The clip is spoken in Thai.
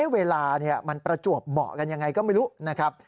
เวลามันประจวบเหมาะกันยังไงก็ไม่รู้นะครับ